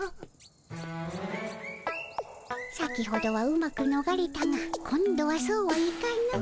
先ほどはうまくのがれたが今度はそうはいかぬ。